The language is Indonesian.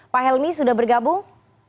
pak helmy sudah bergabung